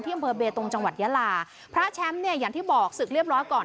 อำเภอเบตงจังหวัดยาลาพระแชมป์เนี่ยอย่างที่บอกศึกเรียบร้อยก่อน